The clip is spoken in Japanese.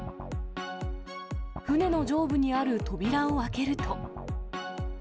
船の上部にある扉を開けると。